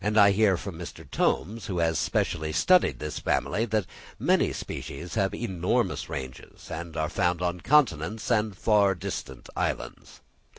I hear from Mr. Tomes, who has specially studied this family, that many species have enormous ranges, and are found on continents and on far distant islands.